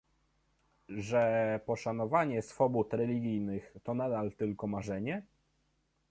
Że poszanowanie swobód religijnych to nadal tylko marzenie?